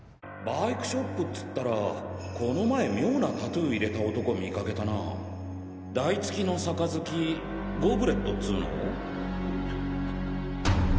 バイクショップっつったらこの前妙なタトゥー入れた男見かけたなぁ台付きの杯ゴブレットっつの？